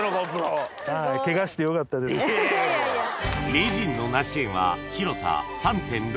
名人の梨園は広さ３．６